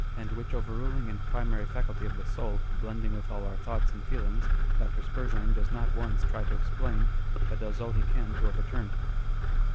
and which overruling and primary faculty of the soul, blending with all our thoughts and feelings, Dr. Spurzheim does not once try to explain, but does all he can to overturn.